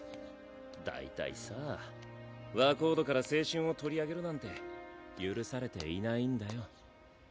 だいたいさぁ若人から青春を取り上げるなんて許されていないんだよ。